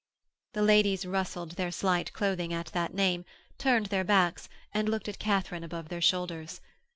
The ladies rustled their slight clothing at that name, turned their backs, and looked at Katharine above their shoulders.